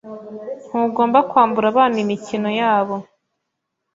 Ntugomba kwambura abana imikino yabo.